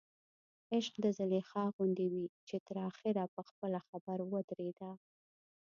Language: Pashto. عشق د زلیخا غوندې وي چې تر اخره په خپله خبر ودرېده.